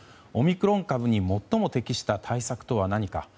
オミクロン株に最も適した対策とは何か。